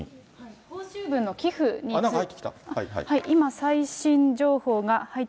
報酬分の寄付について。